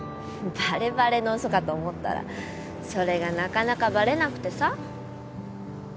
バレバレの嘘かと思ったらそれがなかなかバレなくてさ。